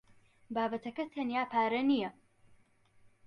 بابەتەکە تەنیا پارە نییە.